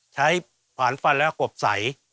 ผ่านฟันและกบใส